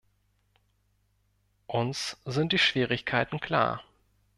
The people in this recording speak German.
Uns sind die Schwierigkeiten klar.